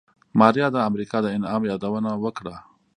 ماريا د امريکا د انعام يادونه وکړه.